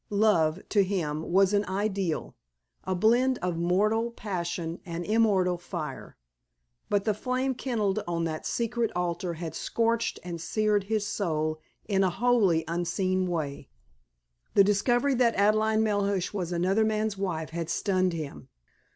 Love, to him, was an ideal, a blend of mortal passion and immortal fire. But the flame kindled on that secret altar had scorched and seared his soul in a wholly unforeseen way. The discovery that Adelaide Melhuish was another man's wife had stunned him.